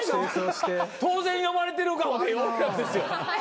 当然呼ばれてる顔でおるやつですよ。